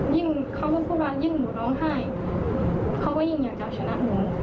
เขาก็พูดว่ายิ่งหนูร้องไห้เขาก็ยิ่งอยากจะชนะหนู